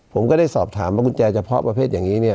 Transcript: ผมก็ได้สอบถามว่ากุญแจเฉพาะประเภทอย่างนี้เนี่ย